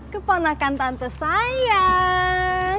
keponakan tante sayang